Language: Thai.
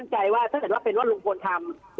ผมมั่นใจว่าถ้าแต่ว่าเป็นว่าลุงพลทำ